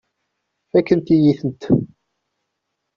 Fakkent-iyi-tent.